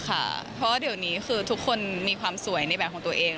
เพราะว่าเดี๋ยวนี้คือทุกคนมีความสวยในแบบของตัวเอง